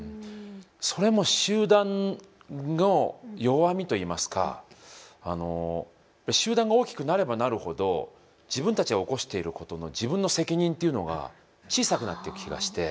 それも集団の弱みといいますか集団が大きくなればなるほど自分たちが起こしていることの自分の責任というのが小さくなっていく気がして。